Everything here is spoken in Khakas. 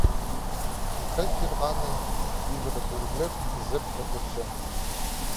Пасха чир ханы, ибіре кӧрглеп, изеп одырча.